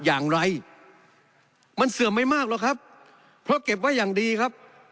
อย่างไรมันเสื่อมไม่มากหรอกครับเพราะเก็บไว้อย่างดีครับ